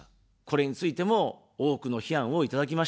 これについても多くの批判をいただきました。